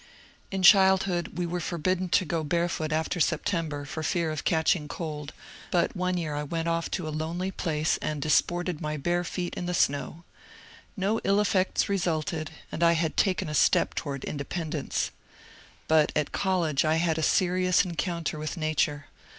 In childhood we were forbidden to go barefoot after Sep 68 MONCURE DANIEL CONWAY tember for tear of catching cold, but one year I went off to a lonely place and disported my bare feet in the snow. No ill effects resulted, and I had taken a step toward independ ence. But at college I had a serious encounter with Nature.